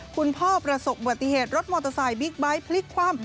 ประสบบัติเหตุรถมอเตอร์ไซค์บิ๊กไบท์พลิกคว่ำ